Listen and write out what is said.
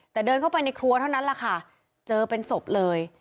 แต่เดินเข้าไปในครัวเท่านั้นแหละค่ะเจอเป็นศพเลย